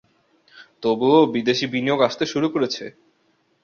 তবুও বিদেশি বিনিয়োগ আসতে শুরু করেছে।